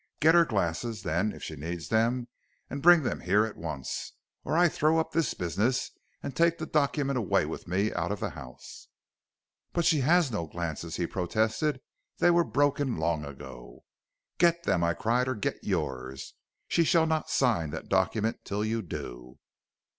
Get her glasses, then, if she needs them, and bring them here at once, or I throw up this business and take the document away with me out of the house.' "'But she has no glasses,' he protested; 'they were broken long ago.' "'Get them,' I cried; 'or get yours, she shall not sign that document till you do.'